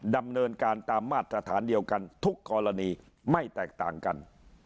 ดำเนินการตามมาตรฐานเดียวกันทุกกรณีไม่แตกต่างกัน